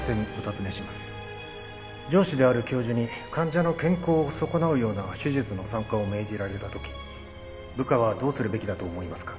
上司である教授に患者の健康を損なうような手術の参加を命じられた時部下はどうするべきだと思いますか？